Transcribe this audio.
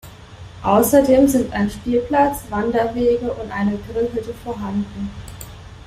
Außerdem sind ein Spielplatz, Wanderwege und eine Grillhütte vorhanden.